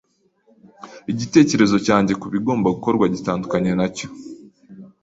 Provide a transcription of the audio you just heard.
Igitekerezo cyanjye kubigomba gukorwa gitandukanye nacyo.